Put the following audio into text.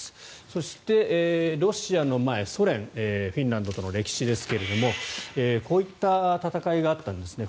そしてロシアの前、ソ連フィンランドとの歴史ですがこういった戦いがあったんですね。